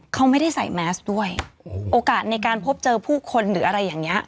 เขาไม่ได้ใส่แมสด้วยโอกาสในการพบเจอผู้คนหรืออะไรอย่างเงี้